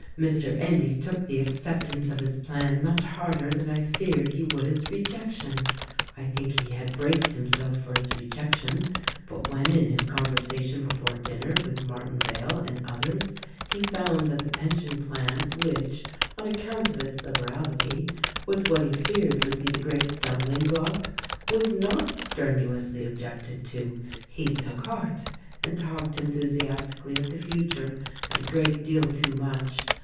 Mr. Endy took the acceptance of his plan much harder than I feared he would its rejection. I think he had braced himself for its rejection ; but when in his con versation before dinner with Martinvale and others he found that the pension plan which, on account of its liberality, was what he feared would be the great stumbling block, was not strenuously objected to — he took heart and talked enthusias tically of the future, and a great deal too much.